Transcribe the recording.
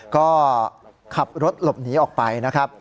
ก็ขับรถหลบหนีออกไป